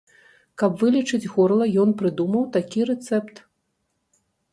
Каб вылечыць горла, ён прыдумаў такі рэцэпт.